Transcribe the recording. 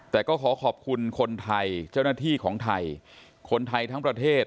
แต่ก็ขอขอบคุณคนไทยเจ้าหน้าที่ของไทยคนไทยทั้งประเทศ